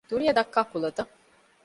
ދުނިޔެ ދައްކާ ކުލަތައް